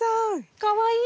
かわいい！